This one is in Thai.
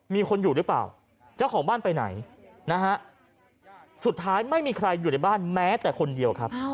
มีคนอยู่หรือเปล่าเจ้าของบ้านไปไหนนะฮะสุดท้ายไม่มีใครอยู่ในบ้านแม้แต่คนเดียวครับ